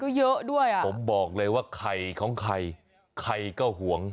ก็เยอะด้วยอ่ะผมบอกเลยว่าไข่ของใครใครก็ห่วง